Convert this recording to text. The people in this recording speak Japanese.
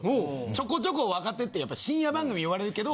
ちょこちょこ若手ってやっぱ深夜番組呼ばれるけど。